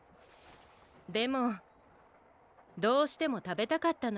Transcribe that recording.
でもどうしてもたべたかったのよね。